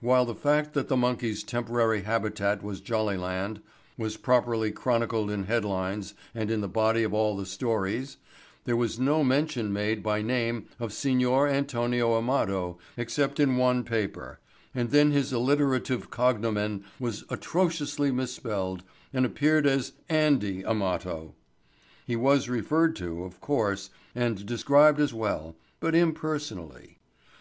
While the fact that the monkeys' temporary habitat was Jollyland was properly chronicled in headlines and in the body of all the stories, there was no mention made by name of Signor Antonio Amado except in one paper and then his alliterative cognomen was atrociously misspelled and appeared as Andy Amato. He was referred to, of course, and described as well, but impersonally.